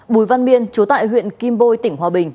bùi văn miên chú tại huyện kim bôi tỉnh hòa bình